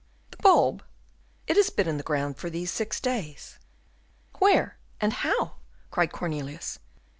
"The bulb? It has been in the ground for these six days." "Where? and how?" cried Cornelius.